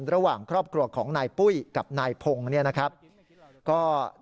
ระหว่างครอบครัวของนายปุ้ยกับนายพงก็